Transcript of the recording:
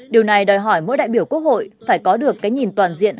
điều này đòi hỏi mỗi đại biểu quốc hội phải có được cái nhìn toàn diện